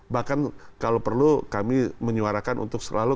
bahkan kalau perlu kami menyuarakan untuk selalu